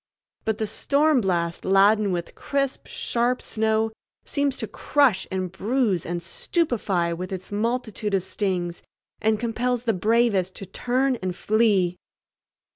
But the storm blast laden with crisp, sharp snow seems to crush and bruise and stupefy with its multitude of stings, and compels the bravest to turn and flee.